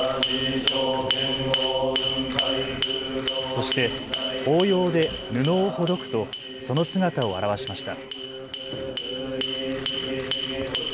そして法要で布をほどくとその姿を現しました。